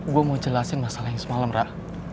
gue mau jelasin masalah yang semalam ra